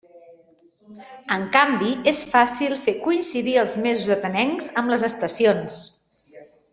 En canvi, és fàcil fer coincidir els mesos atenencs amb les estacions.